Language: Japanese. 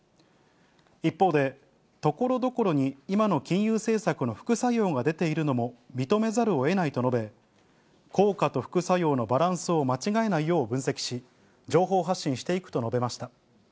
一方で、ところどころに今の金融政策の副作用が出ているのも認めざるをえないと述べ、効果と副作用のバランスを間違えないよう分析し、情報発信していくと述べました。